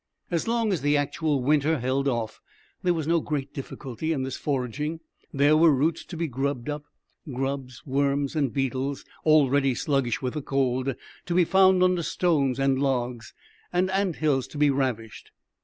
As long as the actual winter held off, there was no great difficulty in this foraging. There were roots to be grubbed up, grubs, worms, and beetles, already sluggish with the cold, to be found under stones and logs, and ant hills to be ravished.